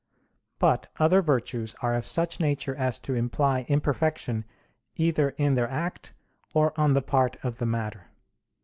But other virtues are of such a nature as to imply imperfection either in their act, or on the part of the matter.